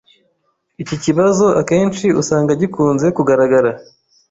Iki kibazo akenshi usanga gikunze kugaragara